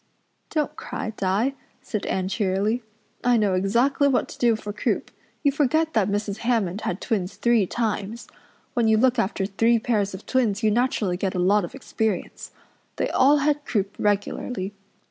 "Don't cry, Di," said Anne cheerily. "I know exactly what to do for croup. You forget that Mrs. Hammond had twins three times. When you look after three pairs of twins you naturally get a lot of experience. They all had croup regularly.